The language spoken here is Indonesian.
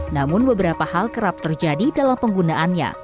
namun beberapa hal kerap terjadi dalam penggunaannya